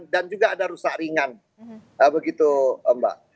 dan juga ada rusak ringan begitu mbak